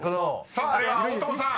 ［さあでは大友さん］